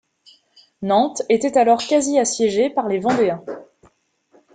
Nantes était alors quasi assiégée par les Vendéens.